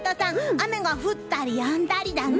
雨が降ったりやんだりだね。